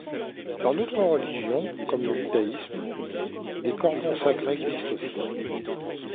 Dans d'autres religions comme le judaïsme, des cordons sacrés existent aussi.